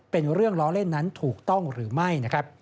เป็นเรื่องล้อเล่นนั้นถูกต้องหรือไม่นะครับ